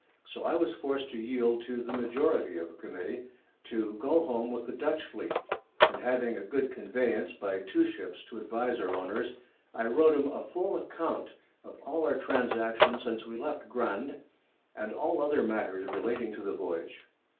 So I was forced to yield to the Majority of a Committee to go home with the Dutch Fleet, and having a good Conveyance by two Ships to advise our Owners, I wrote 'em a full Account of all our Transactions since we left Grande, and other Matters relating to the Voyage.